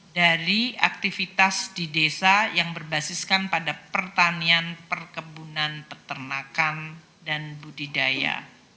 dari aktivitas di desa yang berbasiskan pada pertanian perkebunan peternakan dan budidaya